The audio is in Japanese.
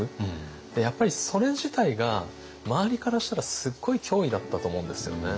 でやっぱりそれ自体が周りからしたらすっごい脅威だったと思うんですよね。